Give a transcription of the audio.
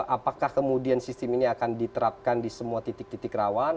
apakah kemudian sistem ini akan diterapkan di semua titik titik rawan